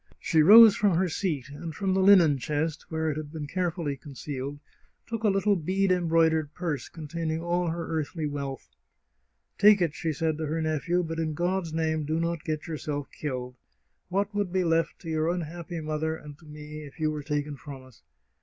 She rose from her seat, and from the linen chest, where it had been carefully concealed, took a little bead embroid ered purse, containing all her earthly wealth. " Take it," she said to her nephew, " but in God's name do not get yourself killed! What would be left to your unhappy mother and to me if you were taken from us